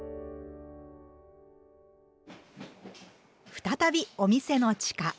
再びお店の地下。